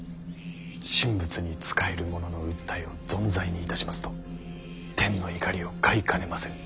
神仏に仕える者の訴えをぞんざいにいたしますと天の怒りを買いかねません。